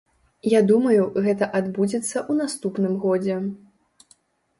Я думаю, гэта адбудзецца ў наступным годзе.